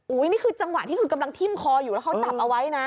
นี่คือจังหวะที่คือกำลังทิ้มคออยู่แล้วเขาจับเอาไว้นะ